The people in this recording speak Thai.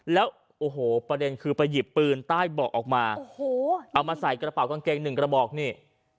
แล้วโอ้โหประเด็นคือไปหยิบปืนใต้เบาะออกมาโอ้โหเอามาใส่กระเป๋ากางเกงหนึ่งกระบอกนี่